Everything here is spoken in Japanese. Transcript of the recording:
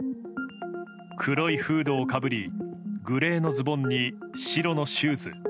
黒いフードをかぶりグレーのズボンに白のシューズ。